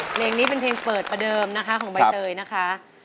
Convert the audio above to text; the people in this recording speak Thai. เพลงนี้เป็นเพลงเปิดประเดิมนะคะของใบเตยนะคะ